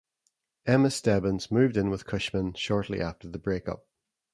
Emma Stebbins moved in with Cushman shortly after the break-up.